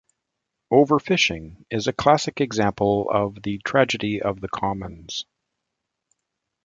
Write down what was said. Overfishing is a classic example of the tragedy of the commons.